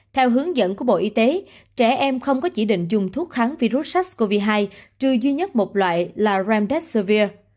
theo hướng dẫn của bộ y tế trẻ em không có chỉ định dùng thuốc kháng virus sars cov hai trừ duy nhất một loại là ramdeservir